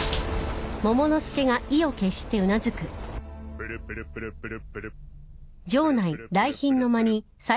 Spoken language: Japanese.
プルプルプルプル。